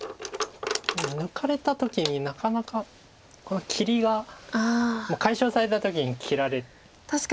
抜かれた時になかなかこの切りが解消された時に切られる。